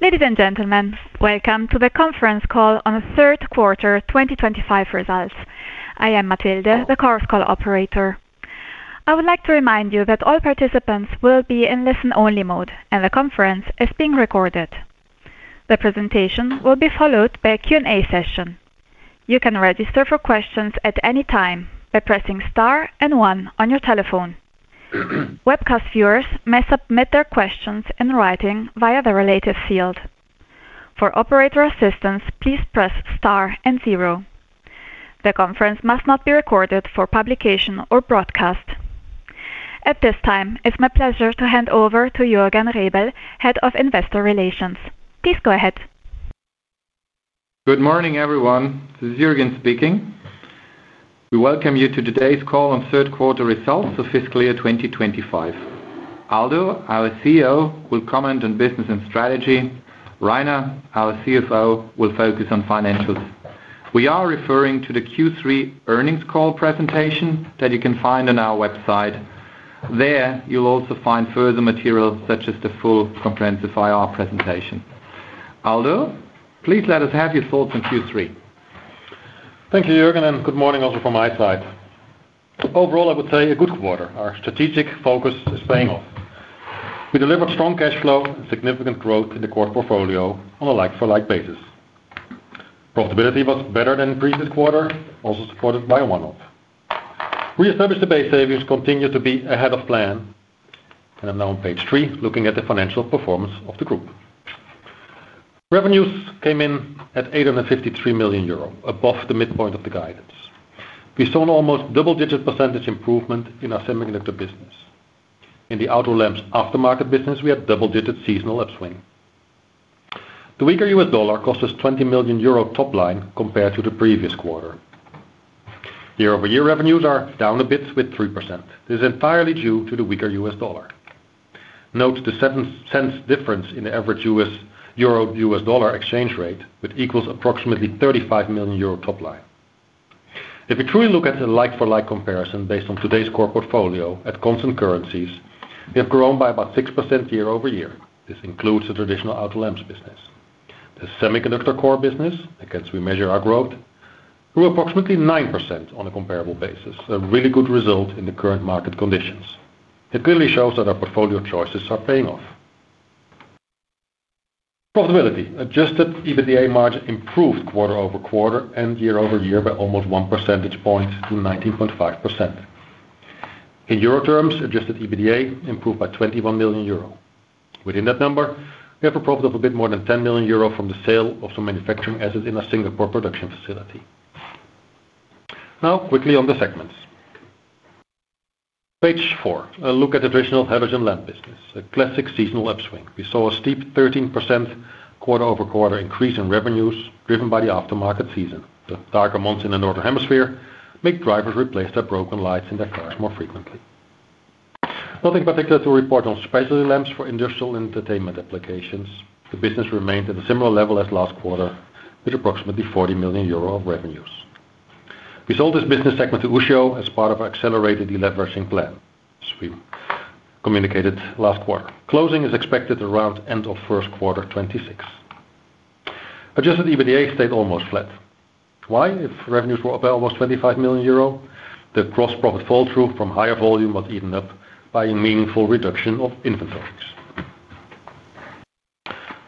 Ladies and gentlemen, welcome to the conference call on the third quarter 2025 results. I am Matilde, the course call operator. I would like to remind you that all participants will be in listen-only mode, and the conference is being recorded. The presentation will be followed by a Q&A session. You can register for questions at any time by pressing star and one on your telephone. Webcast viewers may submit their questions in writing via the related field. For operator assistance, please press star and zero. The conference must not be recorded for publication or broadcast. At this time, it's my pleasure to hand over to Jürgen Rebel, Head of Investor Relations. Please go ahead. Good morning, everyone. This is Jürgen speaking. We welcome you to today's call on third quarter results of fiscal year 2025. Aldo, our CEO, will comment on business and strategy. Rainer, our CFO, will focus on financials. We are referring to the Q3 earnings call presentation that you can find on our website. There you'll also find further material such as the full comprehensive IR presentation. Aldo, please let us have your thoughts on Q3. Thank you, Jürgen, and good morning also from my side. Overall, I would say a good quarter. Our strategic focus is paying off. We delivered strong cash flow and significant growth in the core portfolio on a like-for-like basis. Profitability was better than previous quarter, also supported by a one-off. We established the base savings continue to be ahead of plan, and I'm now on page three looking at the financial performance of the group. Revenues came in at 853 million euro, above the midpoint of the guidance. We saw an almost double-digit % improvement in our semiconductor business. In the outer lens aftermarket business, we had double-digit seasonal upswing. The weaker U.S. dollar cost us 20 million euro top line compared to the previous quarter. Year-over-year revenues are down a bit with 3%. This is entirely due to the weaker U.S. dollar. Note the seven cents difference in the average euro to U.S. dollar exchange rate, which equals approximately 35 million euro top line. If we truly look at the like-for-like comparison based on today's core portfolio at constant currencies, we have grown by about 6% year-over-year. This includes the traditional outer lens business. The semiconductor core business, against which we measure our growth, grew approximately 9% on a comparable basis, a really good result in the current market conditions. It clearly shows that our portfolio choices are paying off. Profitability: adjusted EBITDA margin improved quarter-over-quarter and year-over-year by almost one percentage point to 19.5%. In euro terms, adjusted EBITDA improved by 21 million euro. Within that number, we have a profit of a bit more than 10 million euro from the sale of some manufacturing assets in a Singapore production facility. Now, quickly on the segments. Page four, a look at the traditional hydrogen lamp business, a classic seasonal upswing. We saw a steep 13% quarter-over-quarter increase in revenues driven by the aftermarket season. The darker months in the northern hemisphere make drivers replace their broken lights in their cars more frequently. Nothing particular to report on specialty lamps for industrial and entertainment applications. The business remained at a similar level as last quarter, with approximately 40 million euro of revenues. We sold this business segment to Ushio as part of our accelerated deleveraging plan, as we communicated last quarter. Closing is expected around end of first quarter 2026. Adjusted EBITDA stayed almost flat. Why? If revenues were up by almost 25 million euro, the gross profit fall through from higher volume was eaten up by a meaningful reduction of inventories.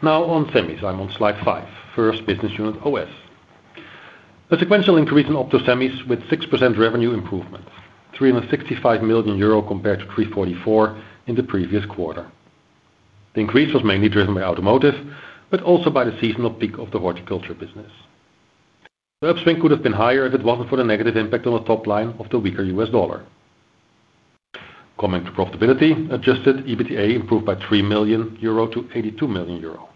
Now on semis. I'm on slide five, first business unit OS. A sequential increase in opto semis with 6% revenue improvement, 365 million euro compared to 344 million in the previous quarter. The increase was mainly driven by automotive, but also by the seasonal peak of the horticulture business. The upswing could have been higher if it was not for the negative impact on the top line of the weaker U.S. dollar. Coming to profitability, adjusted EBITDA improved by 3 million euro to 82 million euro.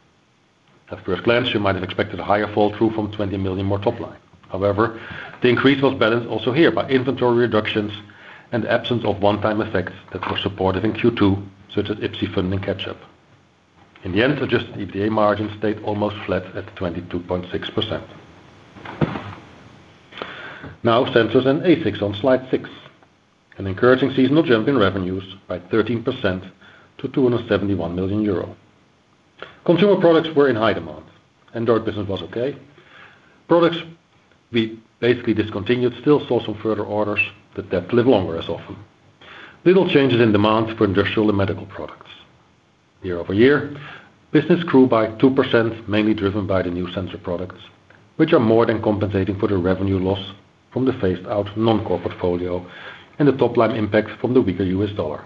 At first glance, you might have expected a higher fall through from 20 million more top line. However, the increase was balanced also here by inventory reductions and the absence of one-time effects that were supportive in Q2, such as IPSI funding catch-up. In the end, adjusted EBITDA margin stayed almost flat at 22.6%. Now, sensors and ASICs on slide six, an encouraging seasonal jump in revenues by 13% to 271 million euro. Consumer products were in high demand. Android business was okay. Products we basically discontinued still saw some further orders that did not live longer as often. Little changes in demand for industrial and medical products. Year-over-year, business grew by 2%, mainly driven by the new sensor products, which are more than compensating for the revenue loss from the phased-out non-core portfolio and the top line impact from the weaker U.S. dollar.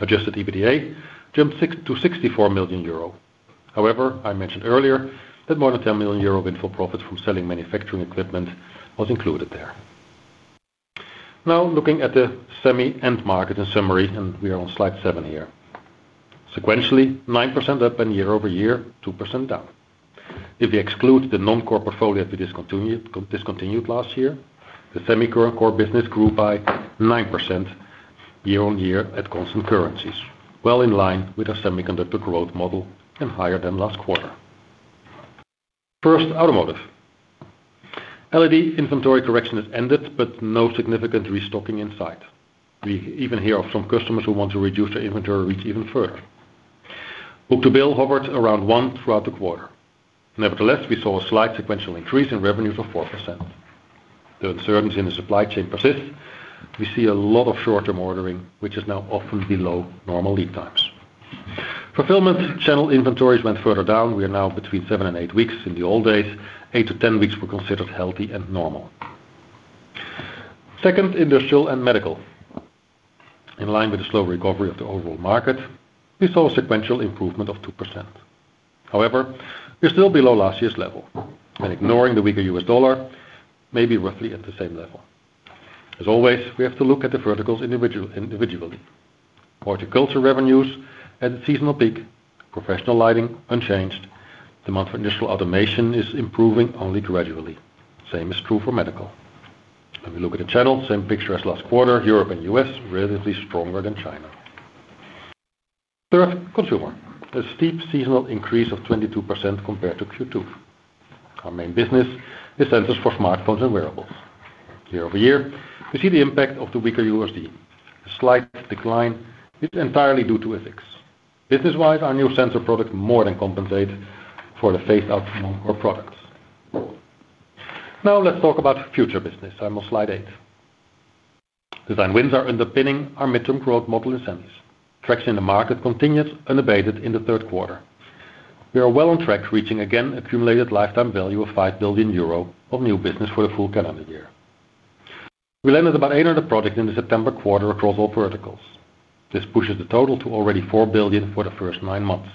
Adjusted EBITDA jumped to 64 million euro. However, I mentioned earlier that more than 10 million euro windfall profits from selling manufacturing equipment was included there. Now, looking at the semi and market in summary, and we are on slide seven here. Sequentially, 9% up and year-over-year, 2% down. If we exclude the non-core portfolio that we discontinued last year, the semi-core business grew by 9% year on year at constant currencies, well in line with our semiconductor growth model and higher than last quarter. First, automotive. LED inventory correction has ended, but no significant restocking in sight. We even hear of some customers who want to reduce their inventory reach even further. Book-to-bill hovered around one throughout the quarter. Nevertheless, we saw a slight sequential increase in revenues of 4%. The uncertainty in the supply chain persists. We see a lot of short-term ordering, which is now often below normal lead times. Fulfillment channel inventories went further down. We are now between seven and eight weeks. In the old days, eight to ten weeks were considered healthy and normal. Second, industrial and medical. In line with the slow recovery of the overall market, we saw a sequential improvement of 2%. However, we're still below last year's level, and ignoring the weaker U.S. dollar, maybe roughly at the same level. As always, we have to look at the verticals individually. Horticulture revenues at the seasonal peak, professional lighting unchanged. The month for industrial automation is improving only gradually. Same is true for medical. When we look at the channel, same picture as last quarter, Europe and U.S. relatively stronger than China. Third, consumer. A steep seasonal increase of 22% compared to Q2. Our main business is sensors for smartphones and wearables. Year-over-year, we see the impact of the weaker USD. A slight decline is entirely due to FX. Business-wise, our new sensor product more than compensates for the phased-out non-core products. Now, let's talk about future business. I'm on slide eight. Design wins are underpinning our midterm growth model in semis. Traction in the market continued unabated in the third quarter. We are well on track, reaching again accumulated lifetime value of 5 billion euro of new business for the full calendar year. We landed about 800 projects in the September quarter across all verticals. This pushes the total to already 4 billion for the first nine months.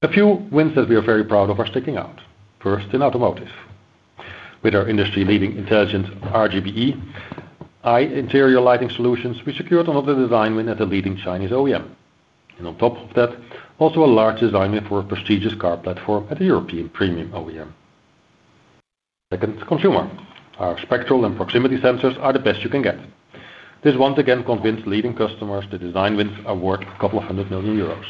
A few wins that we are very proud of are sticking out. First, in automotive. With our industry-leading intelligence RGBE eye interior lighting solutions, we secured another design win at the leading Chinese OEM. On top of that, also a large design win for a prestigious car platform at the European premium OEM. Second, consumer. Our spectral and proximity sensors are the best you can get. This once again convinced leading customers the design wins award a couple of hundred million euros.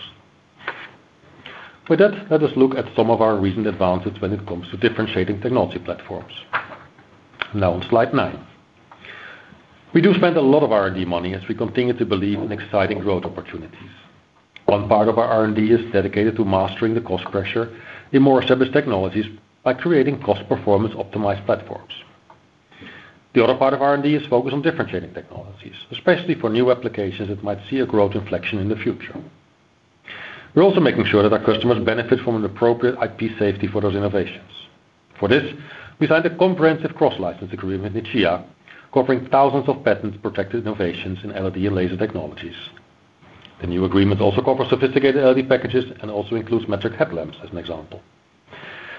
With that, let us look at some of our recent advances when it comes to differentiating technology platforms. Now, on slide nine, we do spend a lot of R&D money as we continue to believe in exciting growth opportunities. One part of our R&D is dedicated to mastering the cost pressure in more established technologies by creating cost-performance optimized platforms. The other part of R&D is focused on differentiating technologies, especially for new applications that might see a growth inflection in the future. We're also making sure that our customers benefit from an appropriate IP safety for those innovations. For this, we signed a comprehensive cross-license agreement in China, covering thousands of patent-protected innovations in LED and Laser technologies. The new agreement also covers sophisticated LED packages and also includes matrix headlamps as an example.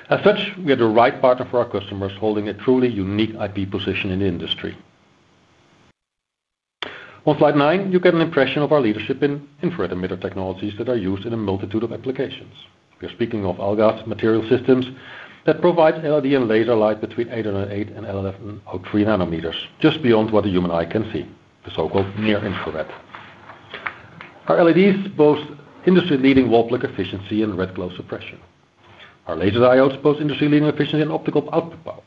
As such, we are the right partner for our customers, holding a truly unique IP position in the industry. On slide nine, you get an impression of our leadership in infrared and midterm technologies that are used in a multitude of applications. We are speaking of ams OSRAM Material Systems that provides LED and Laser light between 808 and 3,000 nanometers, just beyond what the human eye can see, the so-called near infrared. Our LEDs boast industry-leading wall-plug efficiency and red glow suppression. Our laser diodes boast industry-leading efficiency and optical output power.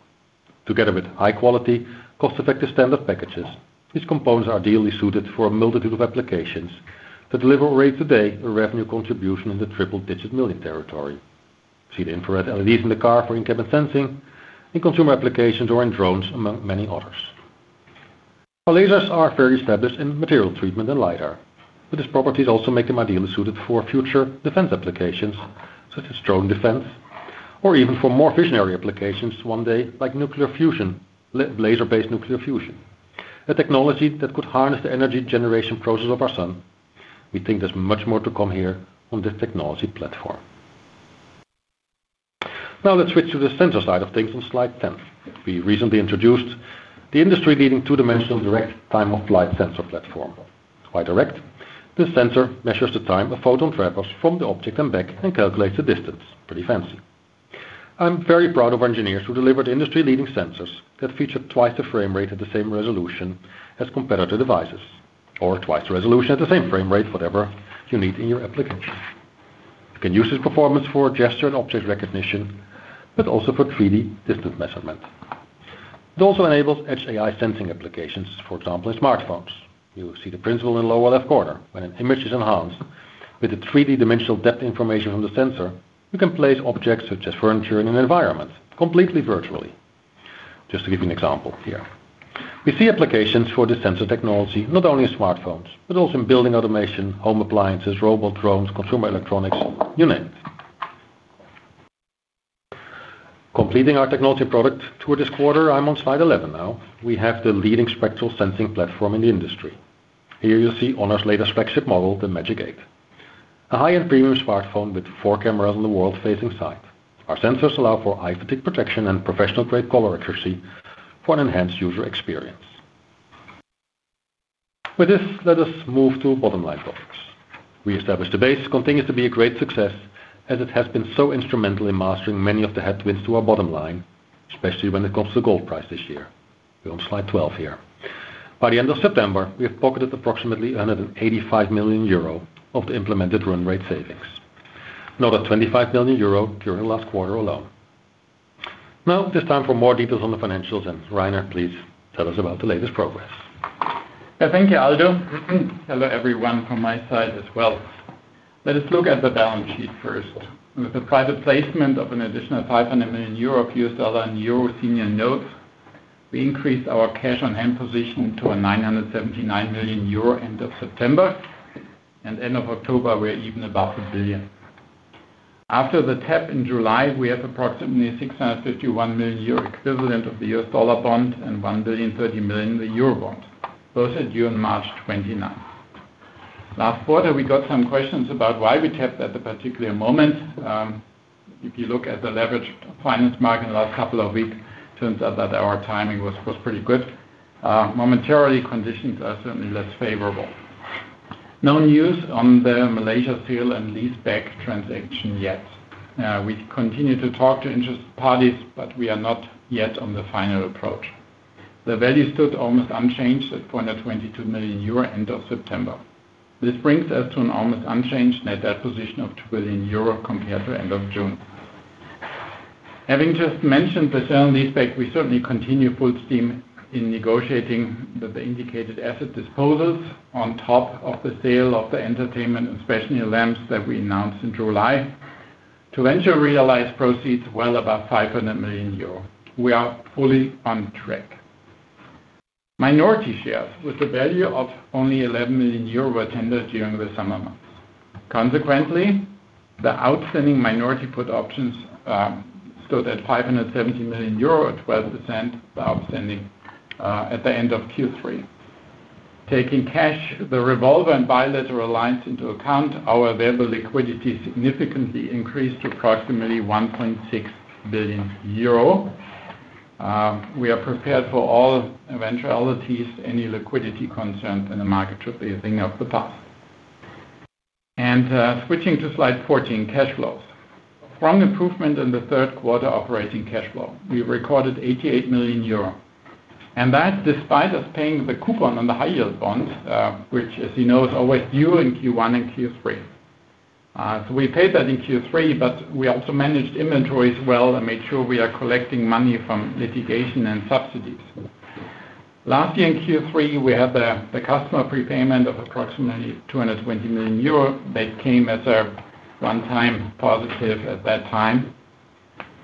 Together with high-quality, cost-effective standard packages, these components are ideally suited for a multitude of applications that deliver already today a revenue contribution in the triple-digit million territory. See the infrared LEDs in the car for in-cabin sensing, in consumer applications, or in drones, among many others. Our lasers are fairly established in material treatment and LiDAR. These properties also make them ideally suited for future defense applications, such as drone defense, or even for more visionary applications one day, like nuclear fusion, laser-based nuclear fusion, a technology that could harness the energy generation process of our sun. We think there is much more to come here on this technology platform. Now, let's switch to the sensor side of things on slide ten. We recently introduced the industry-leading two-dimensional direct time-of-flight sensor platform. Why direct? The sensor measures the time a photon travels from the object and back and calculates the distance. Pretty fancy. I'm very proud of our engineers who delivered industry-leading sensors that feature twice the frame rate at the same resolution as competitor devices, or twice the resolution at the same frame rate, whatever you need in your application. You can use this performance for gesture and object recognition, but also for 3D distance measurement. It also enables edge AI sensing applications, for example, in smartphones. You see the principle in the lower left corner. When an image is enhanced with the 3D dimensional depth information from the sensor, you can place objects such as furniture in an environment completely virtually. Just to give you an example here, we see applications for the sensor technology not only in smartphones, but also in building automation, home appliances, robot drones, consumer electronics, you name it. Completing our technology product tour this quarter, I'm on slide 11 now. We have the leading spectral sensing platform in the industry. Here you see Honor's Laser Specs model the Magic 8, a high-end premium smartphone with four cameras on the world-facing side. Our sensors allow for eye fatigue protection and professional-grade color accuracy for an enhanced user experience. With this, let us move to bottom line profits. We established the base continues to be a great success as it has been so instrumental in mastering many of the headwinds to our bottom line, especially when it comes to gold price this year. We are on slide 12 here. By the end of September, we have pocketed approximately 185 million euro of the implemented run rate savings, another 25 million euro during the last quarter alone. Now, this time for more details on the financials. Rainer, please tell us about the latest progress. Yeah, thank you, Aldo. Hello everyone from my side as well. Let us look at the balance sheet first. With the private placement of an additional 500 million euro in Euro Senior Notes, we increased our cash on hand position to 979 million euro at the end of September, and at the end of October, we are even about a billion. After the tap in July, we have approximately 651 million euro equivalent of the U.S. dollar bond and 1,030 million in the euro bond, both due on March 29, 2025. Last quarter, we got some questions about why we tapped at the particular moment. If you look at the leveraged finance market in the last couple of weeks, it turns out that our timing was pretty good. Momentarily, conditions are certainly less favorable. No news on the Malaysia sale and lease-back transaction yet. We continue to talk to interested parties, but we are not yet on the final approach. The value stood almost unchanged at 422 million euro at the end of September. This brings us to an almost unchanged net asset position of 2 billion euro compared to end of June. Having just mentioned the sale and lease-back, we certainly continue full steam in negotiating the indicated asset disposals on top of the sale of the entertainment and special lamps that we announced in July to venture realize proceeds well above 500 million euros. We are fully on track. Minority shares with the value of only 11 million euro were tendered during the summer months. Consequently, the outstanding minority put options stood at 570 million euro at 12%, the outstanding at the end of Q3. Taking cash, the revolver and bilateral lines into account, our available liquidity significantly increased to approximately 1.6 billion euro. We are prepared for all eventualities. Any liquidity concerns in the market should be a thing of the past. Switching to slide 14, cash flows. From improvement in the third quarter operating cash flow, we recorded 88 million euro. That is despite us paying the coupon on the high-yield bonds, which, as you know, is always due in Q1 and Q3. We paid that in Q3, but we also managed inventories well and made sure we are collecting money from litigation and subsidies. Last year, in Q3, we had the customer prepayment of approximately 220 million euro. That came as a one-time positive at that time.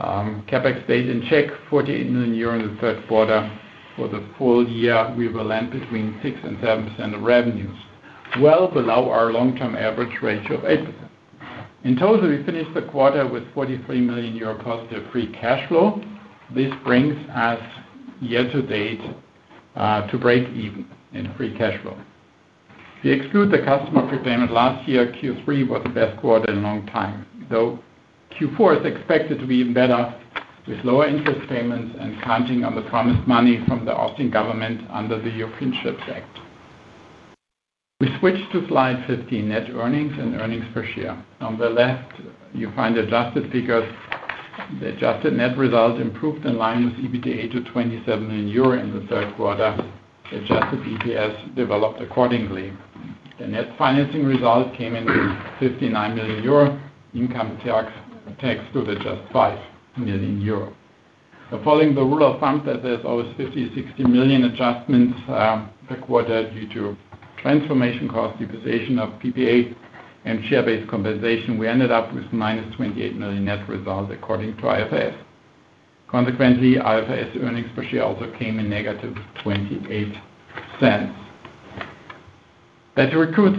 CapEx stayed in check, 48 million euro in the third quarter. For the full year, we were lent between 6%-7% of revenues, well below our long-term average ratio of 8%. In total, we finished the quarter with 43 million euro positive free cash flow. This brings us year to date to break even in free cash flow. If you exclude the customer prepayment last year, Q3 was the best quarter in a long time, though Q4 is expected to be even better with lower interest payments and counting on the promised money from the Austrian government under the European Chips Act. We switched to slide 15, net earnings and earnings per share. On the left, you find adjusted figures. The adjusted net result improved in line with EBITDA to 27 million euro in the third quarter. The adjusted EPS developed accordingly. The net financing result came in with 59 million euro. Income tax stood at just 5 million euro. Following the rule of thumb that there is always 50 million adjustments per quarter due to transformation cost, depreciation of PPA, and share-based compensation, we ended up with minus 28 million net result according to IFRS. Consequently, IFRS earnings per share also came in negative 28 cents. That concludes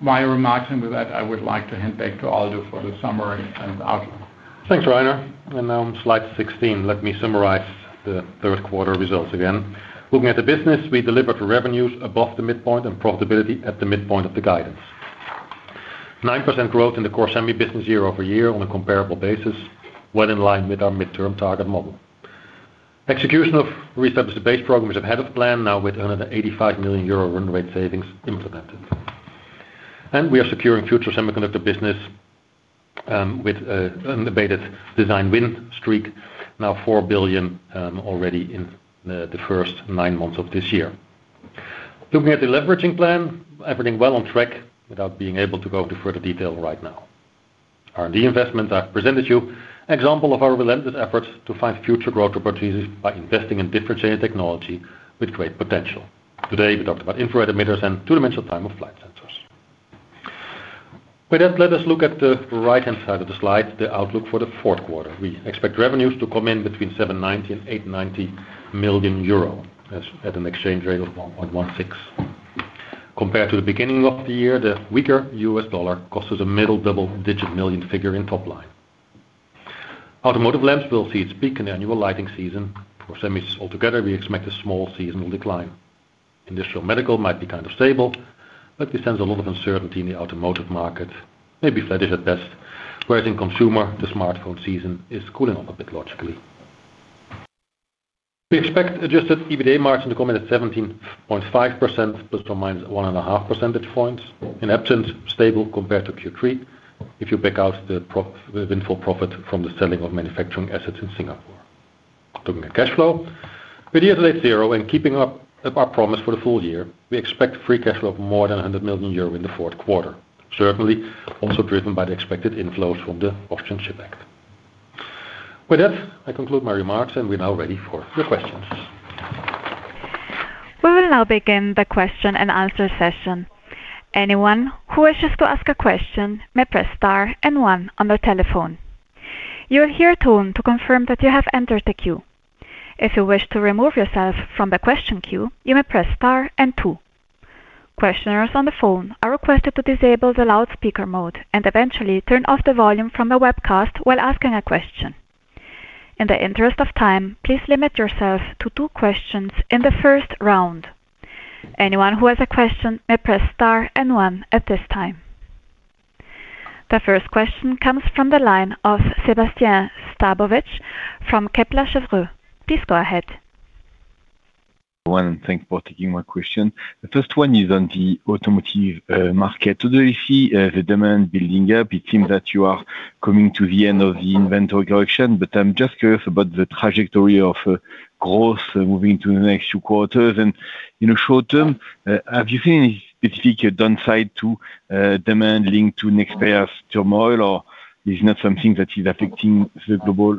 my remarks, and with that, I would like to hand back to Aldo for the summary and outlook. Thanks, Rainer. Now on slide 16, let me summarize the third quarter results again. Looking at the business, we delivered revenues above the midpoint and profitability at the midpoint of the guidance. 9% growth in the core semi-business year over year on a comparable basis, well in line with our midterm target model. Execution of Reestablish the Base program is ahead of plan, now with 185 million euro run rate savings implemented. We are securing future semiconductor business with an unabated design win streak, now 4 billion already in the first nine months of this year. Looking at the deleveraging plan, everything well on track without being able to go into further detail right now. R&D investments I've presented to you, example of our relentless efforts to find future growth opportunities by investing in differentiated technology with great potential. Today, we talked about infrared emitters and two-dimensional time-of-flight sensors. With that, let us look at the right-hand side of the slide, the outlook for the fourth quarter. We expect revenues to come in between 790 million and 890 million euro at an exchange rate of 1.16. Compared to the beginning of the year, the weaker US dollar cost us a middle double-digit million figure in top line. Automotive lamps will see its peak in the annual lighting season. For semis altogether, we expect a small seasonal decline. Industrial medical might be kind of stable, but this sends a lot of uncertainty in the automotive market, maybe flat-ish at best. Whereas in consumer, the smartphone season is cooling off a bit logically. We expect adjusted EBITDA margin to come in at 17.5% plus or -1.5 percentage points. In absence, stable compared to Q3 if you pick out the windfall profit from the selling of manufacturing assets in Singapore. Looking at cash flow, we are near to net zero and keeping up our promise for the full year. We expect free cash flow of more than 100 million euro in the fourth quarter, certainly also driven by the expected inflows from the European Chips Act. With that, I conclude my remarks, and we are now ready for the questions. We will now begin the question and answer session. Anyone who wishes to ask a question may press star and one on their telephone. You will hear a tone to confirm that you have entered the queue. If you wish to remove yourself from the question queue, you may press star and two. Questioners on the phone are requested to disable the loudspeaker mode and eventually turn off the volume from the webcast while asking a question. In the interest of time, please limit yourself to two questions in the first round. Anyone who has a question may press star and one at this time. The first question comes from the line of Sébastien Sztabowicz from Kepler Cheuvreux. Please go ahead. Thank you for taking my question. The first one is on the automotive market. Although you see the demand building up, it seems that you are coming to the end of the inventory collection, but I'm just curious about the trajectory of growth moving to the next two quarters. In the short term, have you seen any specific downside to demand linked to Nexperia turmoil, or is it not something that is affecting the global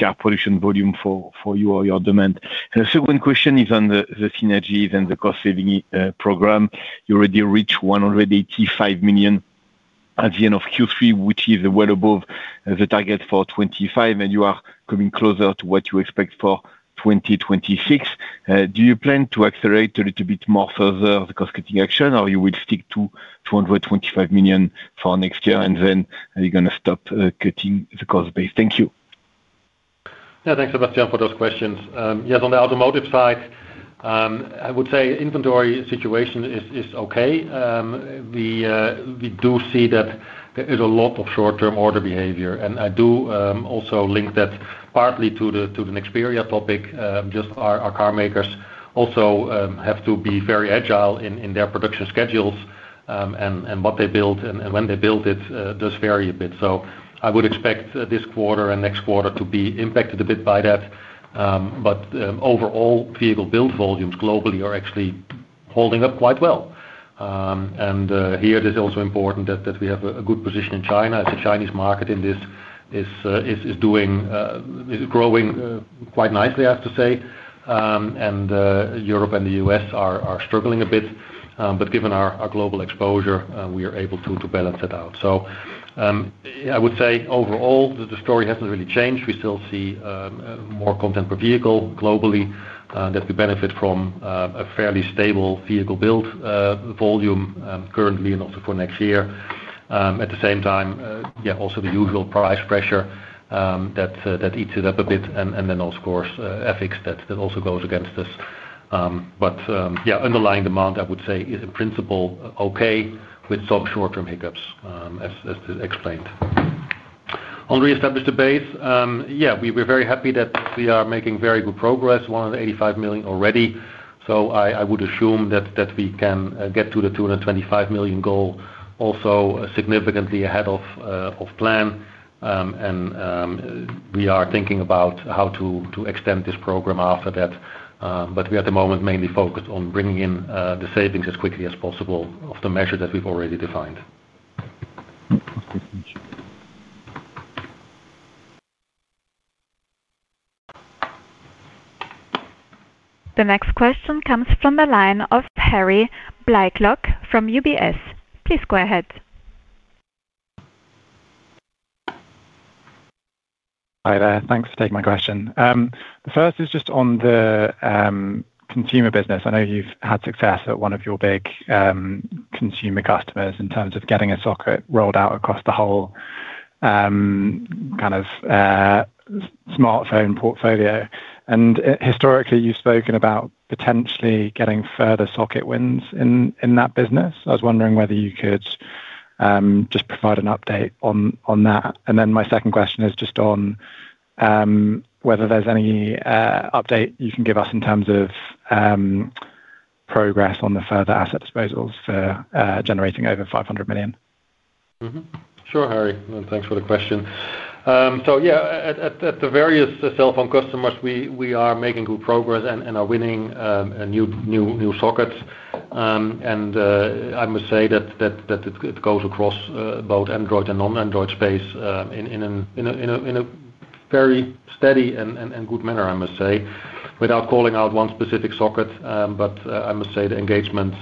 car production volume for you or your demand? The second question is on the synergies and the cost-saving program. You already reached 185 million at the end of Q3, which is well above the target for 2025, and you are coming closer to what you expect for 2026. Do you plan to accelerate a little bit more further the cost-cutting action, or will you stick to 225 million for next year, and then you are going to stop cutting the cost base? Thank you. Yeah, thanks, Sébastien, for those questions. Yes, on the automotive side, I would say inventory situation is okay. We do see that there is a lot of short-term order behavior, and I do also link that partly to the Nexperia topic. Just our car makers also have to be very agile in their production schedules, and what they build and when they build it does vary a bit. I would expect this quarter and next quarter to be impacted a bit by that, but overall, vehicle build volumes globally are actually holding up quite well. Here, it is also important that we have a good position in China. The Chinese market in this is growing quite nicely, I have to say, and Europe and the U.S. are struggling a bit, but given our global exposure, we are able to balance it out. I would say overall, the story has not really changed. We still see more content per vehicle globally that we benefit from a fairly stable vehicle build volume currently and also for next year. At the same time, yeah, also the usual price pressure that eats it up a bit, and then of course, FX that also goes against us. Yeah, underlying demand, I would say, is in principle okay with some short-term hiccups, as explained. On Reestablish the Base, yeah, we're very happy that we are making very good progress, 185 million already. I would assume that we can get to the 225 million goal also significantly ahead of plan, and we are thinking about how to extend this program after that. We are at the moment mainly focused on bringing in the savings as quickly as possible of the measure that we've already defined. The next question comes from the line of Harry Blaiklock from UBS. Please go ahead. Hi there. Thanks for taking my question. The first is just on the consumer business. I know you've had success at one of your big consumer customers in terms of getting a socket rolled out across the whole kind of smartphone portfolio. And historically, you've spoken about potentially getting further socket wins in that business. I was wondering whether you could just provide an update on that. My second question is just on whether there's any update you can give us in terms of progress on the further asset disposals for generating over 500 million. Sure, Harry. Thanks for the question. Yeah, at the various cell phone customers, we are making good progress and are winning new sockets. I must say that it goes across both Android and non-Android space in a very steady and good manner, I must say, without calling out one specific socket. I must say the engagement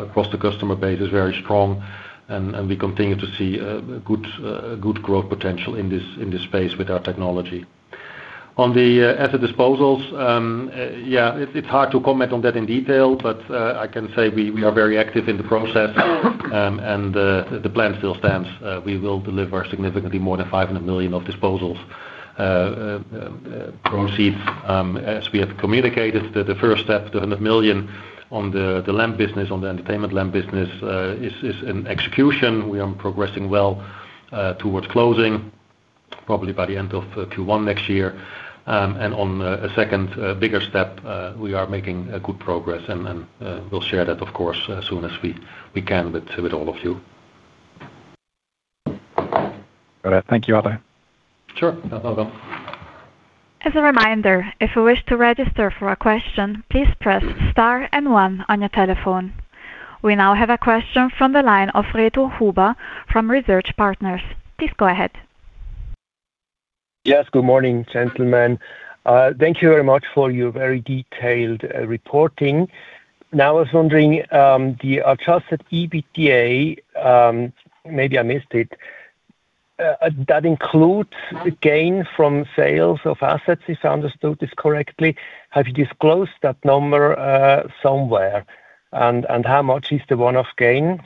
across the customer base is very strong, and we continue to see good growth potential in this space with our technology. On the asset disposals, yeah, it's hard to comment on that in detail, but I can say we are very active in the process, and the plan still stands. We will deliver significantly more than 500 million of disposals proceeds as we have communicated. The first step, the 100 million on the lamp business, on the entertainment lamp business, is in execution. We are progressing well towards closing, probably by the end of Q1 next year. On a second bigger step, we are making good progress, and we'll share that, of course, as soon as we can with all of you. Thank you, Aldo Sure. That's all done. As a reminder, if you wish to register for a question, please press star and one on your telephone. We now have a question from the line of Reto Huber from Research Partners. Please go ahead. Yes, good morning, gentlemen. Thank you very much for your very detailed reporting. Now I was wondering, the adjusted EBITDA, maybe I missed it, that includes gain from sales of assets, if I understood this correctly. Have you disclosed that number somewhere, and how much is the one-off gain?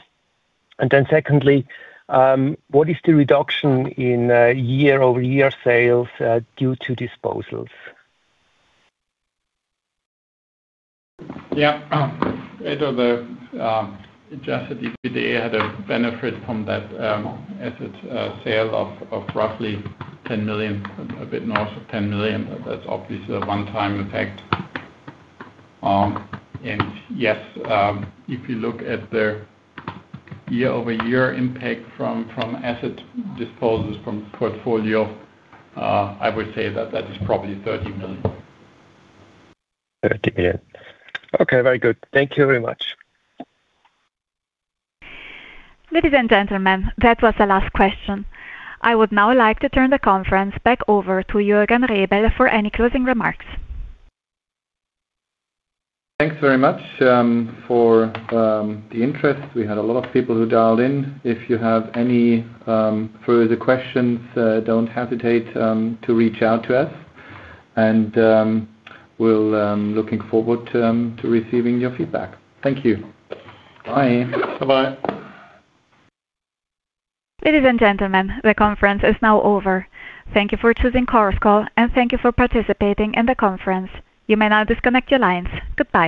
Secondly, what is the reduction in year-over-year sales due to disposals? Yeah, Reto, the adjusted EBITDA had a benefit from that asset sale of roughly 10 million, a bit north of 10 million. That's obviously a one-time effect. Yes, if you look at the year-over-year impact from asset disposals from the portfolio, I would say that that is probably 30 million. 30 million. Okay, very good. Thank you very much. Ladies and gentlemen, that was the last question. I would now like to turn the conference back over to Jürgen Rebel for any closing remarks. Thanks very much for the interest. We had a lot of people who dialed in. If you have any further questions, do not hesitate to reach out to us, and we are looking forward to receiving your feedback. Thank you. Bye. Ladies and gentlemen, the conference is now over. Thank you for choosing course call, and thank you for participating in the conference. You may now disconnect your lines. Goodbye.